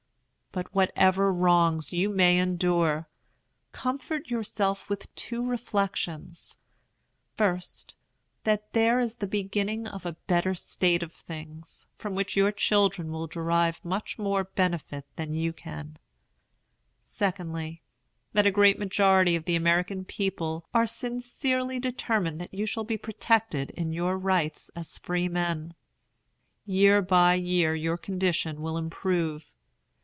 But, whatever wrongs you may endure, comfort yourselves with two reflections: first, that there is the beginning of a better state of things, from which your children will derive much more benefit than you can; secondly, that a great majority of the American people are sincerely determined that you shall be protected in your rights as freemen. Year by year your condition will improve.